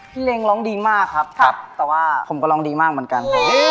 เล็งร้องดีมากครับแต่ว่าผมก็ร้องดีมากเหมือนกัน